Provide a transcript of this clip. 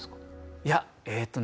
いやえっとね